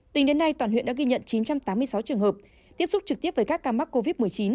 tính đến nay toàn huyện đã ghi nhận chín trăm tám mươi sáu trường hợp tiếp xúc trực tiếp với các ca mắc covid một mươi chín